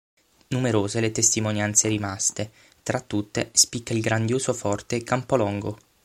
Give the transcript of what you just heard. Numerose le testimonianze rimaste: tra tutte, spicca il grandioso forte Campolongo.